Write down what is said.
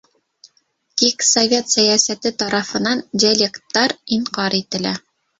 Тик совет сәйәсәте тарафынан диалекттар инҡар ителә.